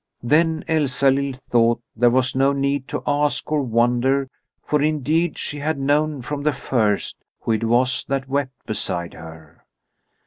Then Elsalill thought there was no need to ask or wonder, for indeed she had known from the first who it was that wept beside her.